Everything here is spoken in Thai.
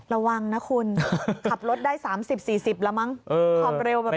ระวังนะคุณขับรถได้๓๐๔๐แล้วมั้งความเร็วแบบนี้